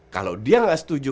kalau dia gak setuju